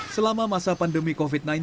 selama masa pandemi covid sembilan belas